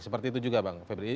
seperti itu juga bang febri